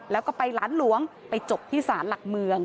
แล้วก็ไปหลานหลวงไปจบที่ศาลหลักเมือง